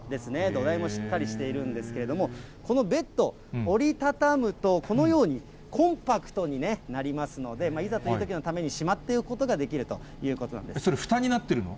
土台もしっかりしているんですけれども、このベッド、折り畳むと、このように、コンパクトになりますので、いざというときのために、しまっておくことができるということなそれ、ふたになってるの？